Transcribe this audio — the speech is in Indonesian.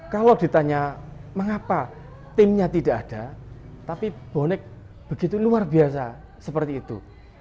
kalau ditanya mengapa timnya tidak ada tapi bonek begitu luar biasa seperti itu